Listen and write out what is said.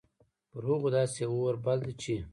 پر هغو داسي اور بل ده چې